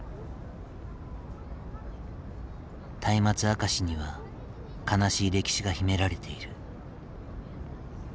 松明あかしには悲しい歴史が秘められている。